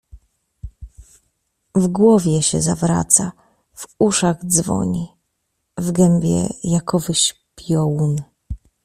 W głowie się zawraca, w uszach dzwoni, w gębie jakowyś piołun.